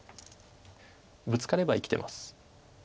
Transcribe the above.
ブツカれば生きてます。